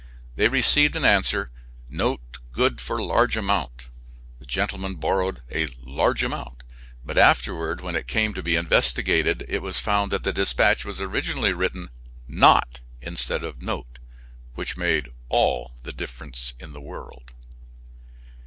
They received an answer, "Note good for large amount." The gentleman borrowed a "large amount," but afterward when it came to be investigated it was found that the dispatch was originally written "not," instead of "note," which made "all the difference in the world."